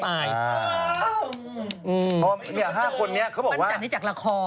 เพราะเนี่ยห้าคนนี้เขาบอกว่าปั้นจันทร์นี้จากละคร